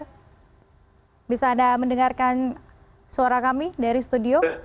pak fajar bisa anda mendengarkan suara kami dari studio